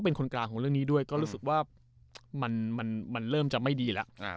เป็นคนกลางภูมิจึงเริ่มไม่ดี